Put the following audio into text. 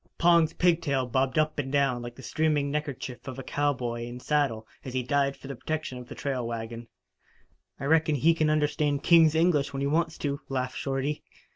Pong's pigtail bobbed up and down like the streaming neckkerchief of a cowboy in saddle as he dived for the protection of the trail wagon. "I reckon he can understand king's English when he wants to," laughed Shorty.